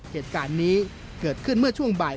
เหตุการณ์นี้เกิดขึ้นเมื่อช่วงบ่าย